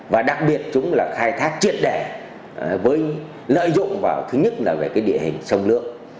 và đặc biệt chúng khai thác triệt đẻ với lợi dụng vào thứ nhất là địa hình sông nước